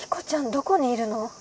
どこにいるの？